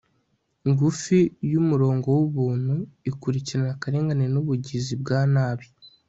ngufi yumurongo wubuntu ikurikirana akarengane nubugizi bwa nabi